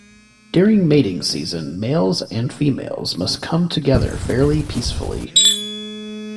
During mating season, males and females must come together fairly peacefully.